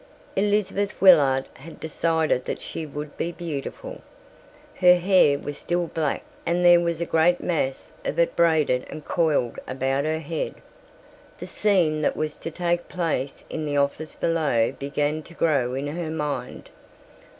Elizabeth Willard had decided that she would be beautiful. Her hair was still black and there was a great mass of it braided and coiled about her head. The scene that was to take place in the office below began to grow in her mind.